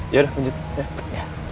ya udah lanjut ya